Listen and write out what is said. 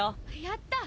やった！